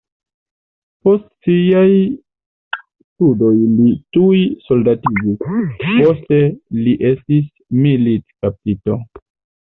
Post siaj studoj li tuj soldatiĝis, poste li estis militkaptito.